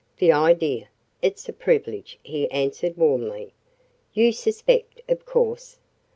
The idea! It's a privilege," he answered warmly. "You suspect, of course."